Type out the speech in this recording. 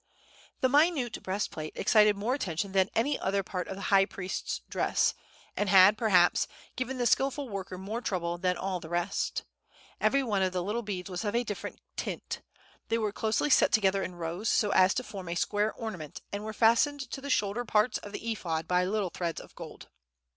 The minute breastplate excited more attention than any other part of the high priest's dress, and had, perhaps, given the skilful worker more trouble than all the rest. Every one of the little beads was of a different tint. They were closely set together in rows, so as to form a square ornament, and were fastened to the shoulder parts of the Ephod by little threads of gold.